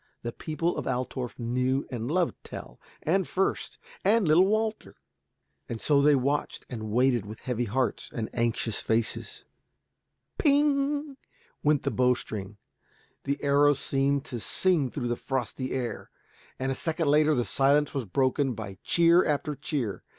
The people of Altorf knew and loved Tell, and Fürst, and little Walter. And so they watched and waited with heavy hearts and anxious faces. "Ping!" went the bowstring. The arrow seemed to sing through the frosty air, and, a second later, the silence was broken by cheer after cheer.